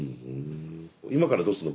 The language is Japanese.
今からどうするの？